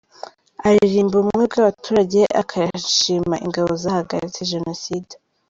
Aririmba ubumwe bw’abaturage akanashima ingabo zahagaritse Jenoside.